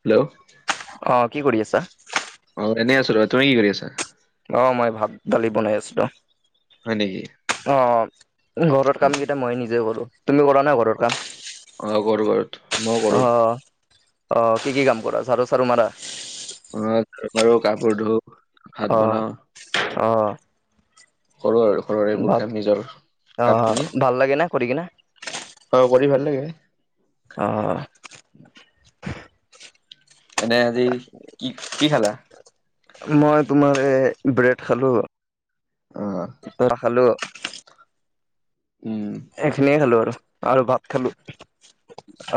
Hello? অ' কি কৰি আছা? অ' এনেই আছো ৰ। তুমি কি কৰি আছা? অ' মই ভাত দালি বনাই আছো ৰ। হয় নেকি। অ' ঘৰত অ কাম কেইটা মই নিজে ক'ৰো। তুমি কৰা নে ঘ অ' ক'ৰো বাৰু, মই অ ক'ৰো। অ' কি কি কাম কৰা ঝাৰু চাৰু মাৰা? ম ঘ ম ৰ কাপোৰ ধো ভাত অ', বনাও অহ কৰো আৰু ঘৰৰ এইবোৰ কাম নিজৰ অ' কাম খিনি ভাল লাগে না কৰি কিনে? অ' কৰি ভাল লাগে। অ'। এনেই আজি কি কি খালা? মই তোমাৰ এই ব্ৰেড খালোঁ অ'। বাটাৰ খালো উম। এইখিনিয়ে খালো আৰু, আৰু ভাত খালো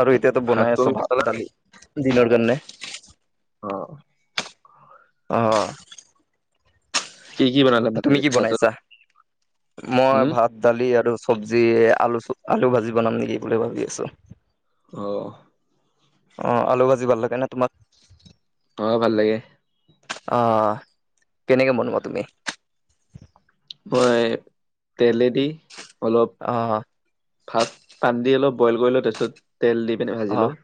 আৰু। এতিয়াতো ভাত বনাই তুমি আছো বনালা ভাত দালি নেকি দিনৰ কাৰনে। অ'। অ'। কি কি বনালে মানে তুমি আজি কি ভাতৰ বনাইছা? লগত? মই ভাত দালি আৰু চব্জি আলু, আলু ভাজি বনাম নেকি বুলি ভাবি আছোঁ। অ'। অ', আলু ভাজি ভাল লাগে নে তোমাক। অ', ভাল লাগে। অ', কেনেকে বনোৱা তুমি? মই তেলেদি অলপ আহ ফাৰ্ষ্ট পানী দি অলপ বইল কৰি লো তাৰপিছত তেল দি পিনি ভাজি লওঁ।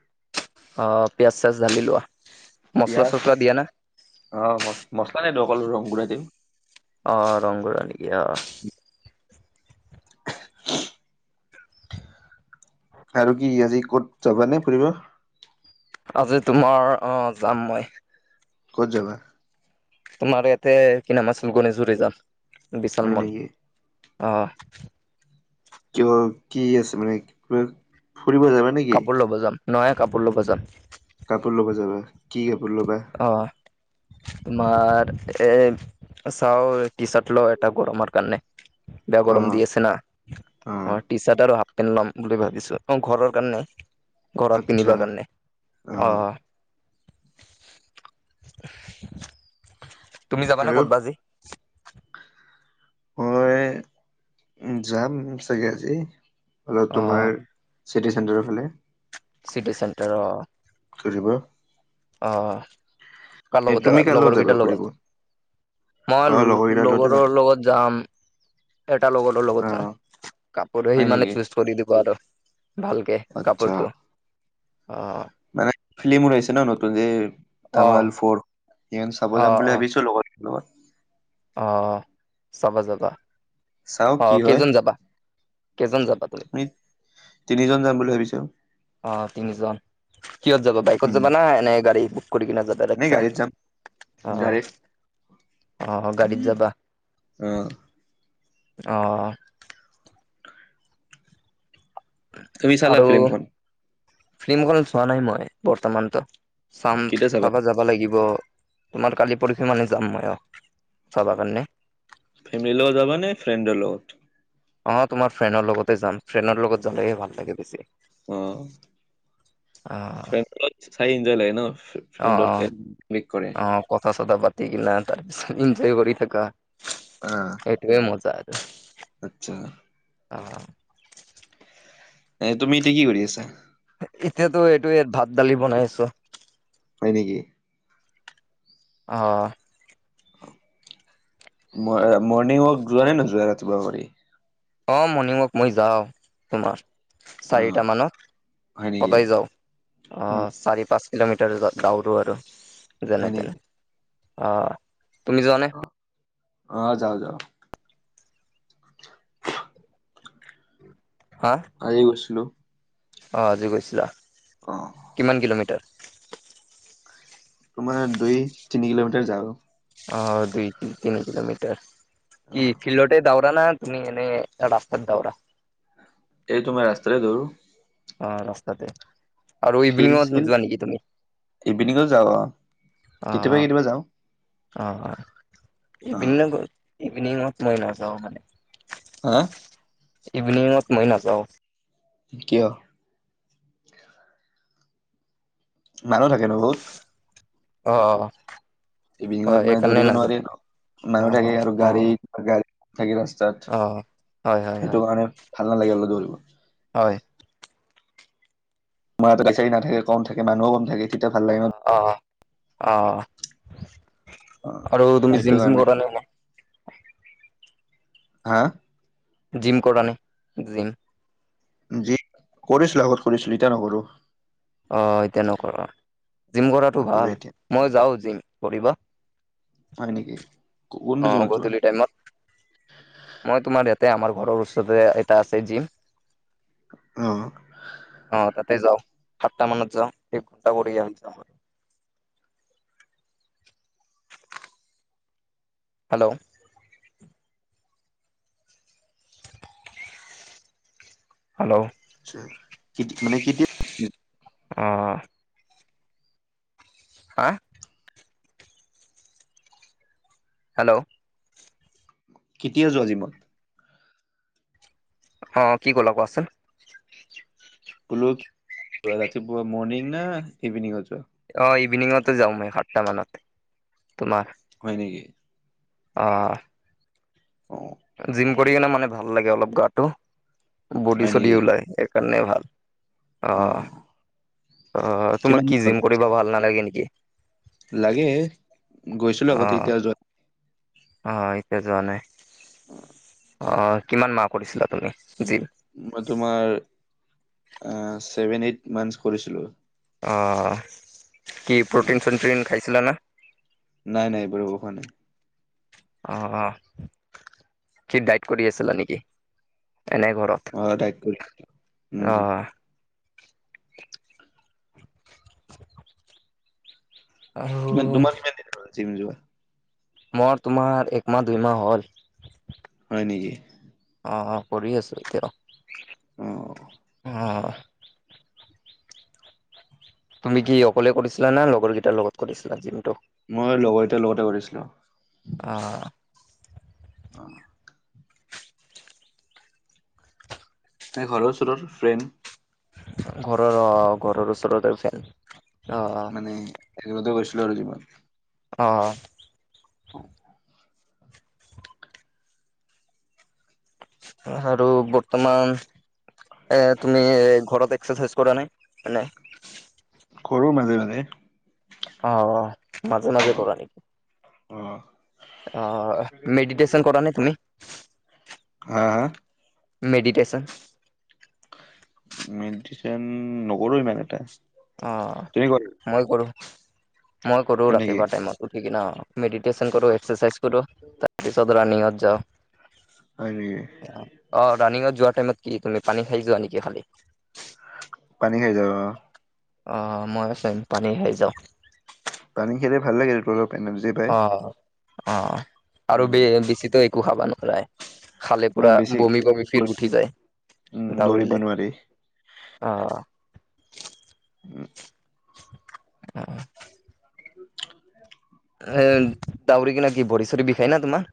অ', পিয়াজ চিয়াজ জালি লোৱা। মচলা পিয়াজ চচলা দিয়া না অ', ম মছলা নিদিওঁ অকল ৰংগুৰা দিম। অ', ৰংগুৰা দি অহ। [unintelligible] আৰু কি আজি ক'ত যাবা নে ফুৰিব? আজি তোমাৰ অ', যাম মই। ক'ত যাবা? তোমাৰ ইয়াতে কি নাম আছিল গণেশগুৰি যাম হয় বিশাল ম'ল। নেকি অ'। কিয় কি আছে মানে ক ফুৰিব যাবা। নেকি কাপোৰ ল'ব যাম নয়া কাপোৰ ল'ব যাম। কাপোৰ ল'ব যাবা কি কাপোৰ ল'বা? অ'। তোমাৰ এ চাও টি চাৰ্ট ল এটা গৰমৰ কাৰণে। বেয়া অ গৰম দি আছে ন অ', টি চাৰ্ট আৰু পেন্ট ল'ম বুলি ভাবিছোঁ অ', ঘৰৰ কাৰণে ঘৰত আচ্ছা পিন্ধিবা কাৰণে অ'। তুমি যা নে ক'ত বা আজি? ক'ত। মই এ যাম চাগে আজি। অলপ অ তোমাৰ চিটি চেণ্টাৰৰ ফালে। চিটি চেণ্টাৰ অ'। ফুৰিব। অ', কাৰ এ লগত তুমি যাবা কাৰ লগৰ কেইটাৰ ফুৰিব লগত। অ লগৰ মই কেইটাৰ লগতে লগৰৰ যাম লগত যাম। এটা লগৰো অ লগত যাম কাপোৰ হয় সি মানে নেকি চুজ কৰি দিব আৰু। ভালকে আচ্ছা কাপোৰটো অ'। মানে ফিল্মো আহিছে নতুন যে অ থামল ফৰ সেই চাব অ যাম বুলি অ ভাবিছোঁ লগত। নমস [unintelligible] অ', চাব যাবা, চাও কি অ', কেইজন যাবা? কেইজন যাবা তুমি? আমি তিনিজন যাম বুলি ভাবিছোঁ। অ', তিনিজন, কিহত যাবা? বাইকত উম। যাবা না এনে গাড়ী বুক কৰি কিনে যাবা। বেলেগ এনেই চা গাড়ীত যাম অহ। গাড়ীত অ', গাড়ীত যাবা। অহ। অহ। তুমি চালা আৰু ফিল্মখন ফিল্ম খন চোৱা নাই মই, বৰ্তমানতো। চাম, কেতিয়া চাবা চাব যাম। যাব লাগিব, তোমাৰ কালি পৰশি মানে যাম ময়ো, চাবৰ কাৰণে। ফেমিলিৰ লগত যাবা নে ফ্ৰেণ্ডৰ লগত? অ', তোমাৰ ফ্ৰেণ্ডৰ লগতেই যাম ফ্ৰেণ্ডৰ লগত যালেহে ভাল লাগে বেছি। অহ। অহ। [unintelligible] এনজয় লাগে ন। অ', ফ্ৰেণ্ডৰ ক্লিক কৰে অ। অ, কথা চথা পাতি কিনা তাৰপিছত ইনজয় কৰি থাকা। অহ। টোৱে মজা আৰু। আচ্ছা। অহ। এ তুমি এতিয়া কি কৰি আছা? এতিয়াতো এইটো ইয়াত ভাত দালি বনাই আছো। হয় নেকি? অঁ। ম মৰ্নিং ৱৰ্ক যোৱা নে [unintelligible] ৰাতিপুৱা কৰি। অ', মৰ্ণিং ৱাক মই যাওঁ তোমাৰ। অ চাৰিটা মানত, হয় নেকি সদায় যাও। অ', চাৰি পাঁচ কিলোমিটাৰ দাউৰো আৰু হয় যেনে নেকি তেনে। অ', তুমি যোৱানে? অ অ', যাওঁ যাওঁ। হা? আজি গৈ। অ', আজি গৈছিলা, অ কিমান কিলোমিটাৰ? তোমাৰ দুই তিনি কিলোমিটাৰ যাও। অ', দুই তিনি কিলোমিটৰ, অ কি ফিল্ডতে দাউ ৰা না, তুমি এনে ৰাস্তাত দৌৰা। এই তোমাৰ ৰাস্তাৰে দৌৰো। অ', ৰাস্তাতে। আৰু ফিল ইভিনিঙত চিল নোযোৱা নেকি তুমি? ইভিনিঙো যাওঁ অ অ', কেতিয়াবা কেতিয়াবা যাওঁ অ। অ', অ, অ ইভিনিং ইভিনিঙত মই নাযাওঁ মানে। হা? ইভিনিঙত মই নাযাওঁ। কিয়? মানুহ থাকে ন বহুত। অ', অ। ইভিনিঙত মানে দৌৰিব নোৱাৰি আৰু, মানুহ থাকে অ', আৰু অ', গাড়ীত গাড়ী থাকি ৰাস্তাত, অ'। হয়, হয়, হয়, সেইটো কাৰণে ভাল নালাগে মানে দৌৰিব। হয়। মই আহোঁতে গাড়ী-চাৰি নাথাকে, কম থাকে, মানুহো কম থাকে। তেতিয়া ভাল লাগে ন অ অ অ অ আৰু তুমি সেইটো জিম চিম কাৰণে কৰা ন মই হা জিম কৰা নাই জিম যি কৰিছিলো আগত কৰিছিলো ইতিয়া নকৰো অঁ তেনেকুৱা জিম কৰাটো নকৰো ভাল এতিয়া মই যাও জিম কৰিবা হয় নেকি অ কোনটো জিমত যোৱা গধূলি টাইমত মই তোমাৰ ইয়াতে আমাৰ ঘৰৰ ওচৰতে এটা আছে জিম অ অ তাতে যাওঁ সাতটা মানত যাওঁ এক ঘন্টা কৰি যাওঁ হেল্ল' হেল্ল' আা মানে কেতিয়া অ হা হেল্ল'। কেতিয়া যোৱা জীমত? অ' কি ক'লা কোৱাচোন? কলোঁ ৰাতিপুৱা মৰ্নিং না ইভেনিঙত যোৱা? অ' ইভিনিঙতে যাওঁ মই সাতটামানত তোমাৰ। হয় নেকি? অ'। অ'। জিম কৰি কিনে মানে ভাল লাগে অলপ, গাটো বডি হয় চডি নেকি ওলাই সেইকাৰণে ভাল। অ', অ' তোমাক কিমান দিন কি হ'ল? জিম কৰিবা ভাল নালাগে নেকি? লাগে, গৈছিলোঁ অ আগতে, এতিয়া যোৱা অ' এতিয়া যোৱা নাই। উ। অ' কিমান মাহ কৰিছিলা তুমি জিম? মই তোমাৰ আ, ছেভেন এইট মান্থছ কৰিছিলোঁ। অ' কি অ প্ৰ'টিন চটিন খাইছিলা না? নাই নাই এইবোৰ একো খোৱা নাই। অ', অ'। কি ডাইট কৰি আছিলা নেকি এনে ঘৰত? অ' ডাইট কৰি অ উম। [unintelligible] কিমান তোমাৰ কিমান দিন হ'ল জিম যোৱা? মোৰ তোমাৰ একমাহ, দুইমাহ হ'ল। হয় নেকি? অ', অ' কৰি আছোঁ এতিয়া, অ অ'। তুমি কি অকলে কৰিছিলা না লগৰকেইটাৰ লগত কৰিছিলা জিমটো? মই লগৰকেইটাৰ লগতে কৰিছিলোঁ। অ'। অ'। নে ঘৰৰ ওচৰৰ ফ্ৰেণ্ড ঘৰৰ অ' ঘৰৰ ওচৰত ফ্ৰেণ্ড অ'। মানে একেলগতে গৈছিলোঁ আৰু জিমত। অ'। হয়। আৰু বৰ্তমান এ, তুমি এ, ঘৰত এক্সাৰচাইজ কৰানে এনে? কৰোঁ মাজে মাজে। অ' মাজে মাজে কৰা নেকি? অ'। অ' মেডিটেচন কৰানে তুমি? হা, হা? মেডিটেচন? মেডিচেন নকৰোঁ ইমান এটা। তুমি কৰা অ' মই কৰোঁ, মই কৰোঁ হয় নেকি ৰাতিপুৱা টাইমত, উঠ কিনে অ', অ'। মেডিটেচন কৰোঁ, এক্সাৰচাইজ কৰোঁ তাৰপিছত ৰানিঙত হয় নেকি যাওঁ। অ' ৰাণিংত যোৱা টাইমত কি তুমি পানী খাই যোৱা নেকি খালি? পানী খাই যাওঁ অ'। অ' ময়ো চেম পানী খাই যাওঁ। পানী খেলে ভাল লাগে দিনটো অলপ। এনাৰ্জি পায়। অ', অ' আৰু উম, বে বেছিতো একো খাবা নোৱাৰাই। খালে ন পুৰা বেছি বমি বমি ফিল উঠি যায়, উম, দৌৰিব দৌৰিলে। নোৱাৰি অ'। উম আহ [unintelligible] স দউৰি কিিন কি ভৰি চৰি বিষায় না তোমাৰ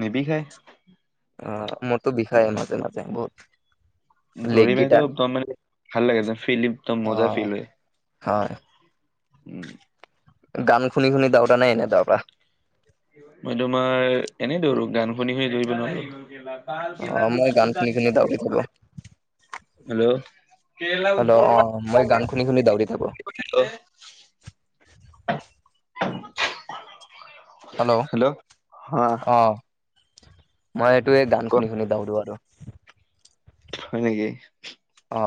নেব খাই অ মোৰতো বিষয় মাজে মাজে বহুত দৰি লেগকেইটা ভাইতো একম ম ভাল লাগে একদম ফিল একদম অ মজা ফিল হয় হয় উম গান শুনি শুনি দাউা নাই এনেই তাৰৰ পৰা মই তোমাৰ এনেই দৌৰো গান শুনি শু দৌৰিব নোৱাৰো বাল অ কে মই গান দুকা শুনি শুনি দাউৰি থাকো ন হেল্ল' কেৰেলাৰ হেল্ল' অ ওপৰৰ মই গান পৰা, শুনি শুনি দাউৰি থাকো হেল্ল'। হেল্ল' হা অ মই এইটোোৱে গান কোৱা শুনি শুনি দাউৰো আৰু হয় নেকি অ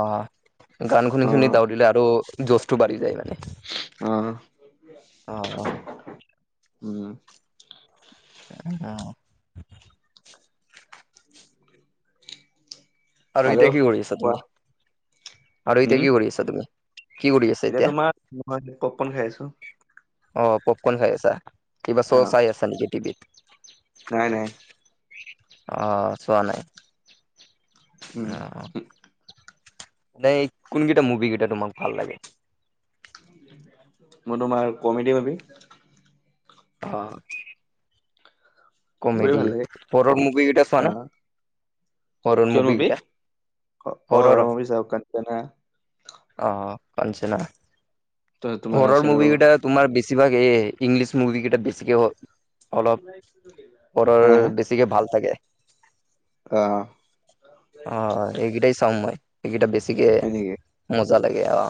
গান শুনি শুনি অ', দাউৰিিলে আৰু জজটো বাঢ়ি যায় মানে অ অ উম অ আৰু আৰহতে কি কৰি আছা কোৱা তুমি আৰহতে উম, কি কৰি আছা তুমি কি কৰি আছা এতিয়া তোমাৰ ম পপপন খাই আছো অ পপকন খাই আছা কিবা শ্ব' অ', চাই আছা নেকি টিভিত নাই নাই অ চোৱা নাই উম, অ নে কোনকেইটা মুভি কেইটা তোমাক ভাল লাগে মই তোমাৰ কমেডি মাবি হয় সেইবোৰে কমেডি ভাল লাগে ফৰাৰ্ড মুভি এইটা চোৱা না কিয়নোবি অ হৰৰ হয় মবিি চাওক কানিয়ান অ কঞ্চনা ত তোমাৰ আছে হৰৰ আৰু মভি কেই তোমাৰ বেছিভাগ এই ইংলিছ মুভিিকেইটা বেছিকৈ অলপ পাৰ হা হা বেছিিকে ভাল থাকে অ অ এইকেইটাই চাওঁ মই এইকেইটা বেছিিকে হয় নেকি মজা লাগে অ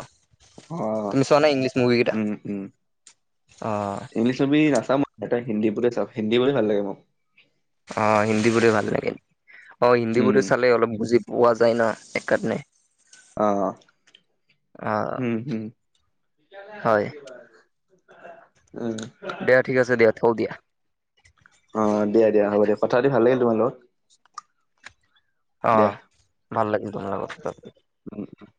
অ তুমিছোৱানা ইংলিছ মুভি কেইটা অ ইংলিছবি আা এটা হিলে চাও হিন্দী বুলি ভাল লাগে মোক অ হিন্দী বোৰে ভাল নেকে নেকি অ হিন্দী উম বোৰে চালে অলপ বুজি পোৱা যায় না এককাৰণে অ অ উম হম হয় উম দিয়া ঠিক আছে দিয়া থক দিয়া অ দ দে দিয়া হ'ব দিয়া কথাতি ভাল লাগে তোমাৰ লগ অ ভাল লাগিল তোমাল লগত হয়